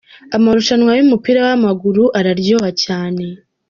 Amarushanwa y'umupira w'amaguru araryoha cyane.